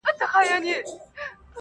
او پړه پټه ساتل غواړي،